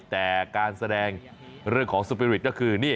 แต่การแสดงเรื่องของสปีริตก็คือนี่